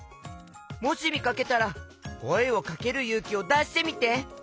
もしみかけたらこえをかけるゆうきをだしてみて！